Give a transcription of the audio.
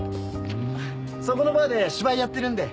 そこのバーで芝居やってるんで。